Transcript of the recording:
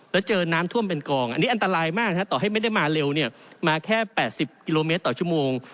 แล้วเจอน้ำท่วมเป็นกองอันนี้อันตรายมากต่อให้ไม่ได้มาเร็วมาแค่๘๐กิโลเมตรต่อชั่วโมง